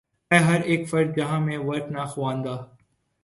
ہے ہر اک فرد جہاں میں ورقِ ناخواندہ